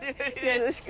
よろしく。